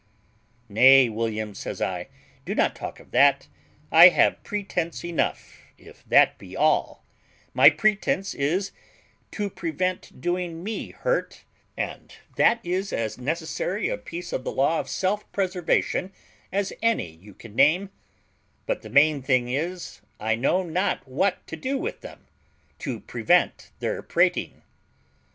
"Nay, William," says I, "do not talk of that; I have pretence enough, if that be all; my pretence is, to prevent doing me hurt, and that is as necessary a piece of the law of self preservation as any you can name; but the main thing is, I know not what to do with them, to prevent their prating."